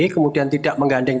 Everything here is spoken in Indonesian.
kemudian tidak mengganding